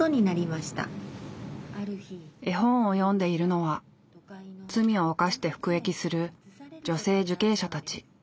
絵本を読んでいるのは罪を犯して服役する女性受刑者たち。